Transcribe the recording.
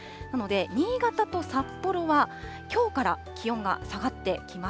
なので、新潟と札幌はきょうから気温が下がってきます。